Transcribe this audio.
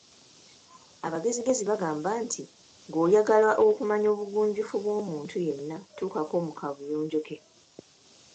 Abagezigezi bagamba nti, ng‘oyagala okumanya obugunjufu bw‘omuntu yenna tuukako mu kabuyonjo ke.